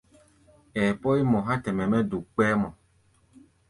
Ɛɛ pɔ́í mɔ há̧ te mɛ́ duk kpɛ́ɛ́ mɔ.